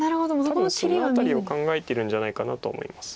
多分その辺りを考えているんじゃないかなと思います。